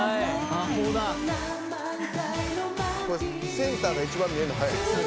センターが一番見えるの早いですね。